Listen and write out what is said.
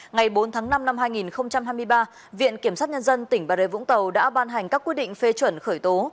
ngày bốn tháng năm năm hai nghìn hai mươi ba viện kiểm sát nhân dân tỉnh bà rê vũng tàu đã ban hành các quyết định phê chuẩn khởi tố